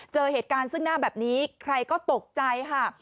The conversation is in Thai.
เจอเหตุการณ์ซึ่งหน้าแบบนี้ใครก็ตกใจค่ะ